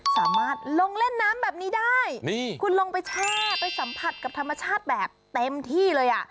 สามารถลงเล่นน้ำแบบนี้ได้นี่คุณลงไปแช่ไปสัมผัสกับธรรมชาติแบบเต็มที่เลยอ่ะ